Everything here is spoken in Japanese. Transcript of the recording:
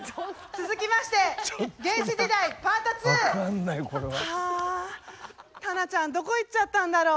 続きまして「原始時代パート２」。はあたなちゃんどこ行っちゃったんだろう？